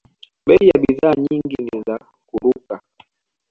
Bei ya bidhaa nyingi ni za kuruka